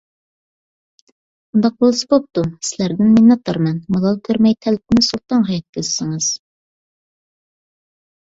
ئۇنداق بولسا بوپتۇ. سىلەردىن مىننەتدارمەن. مالال كۆرمەي تەلىپىمنى سۇلتانغا يەتكۈزسىڭىز.